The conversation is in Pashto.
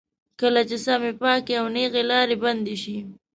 کله چې سمې، پاکې او نېغې لارې بندې شي.